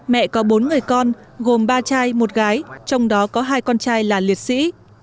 mẹ có bốn người con gồm ba trai một gái trong đó có hai con trai là liệt sĩ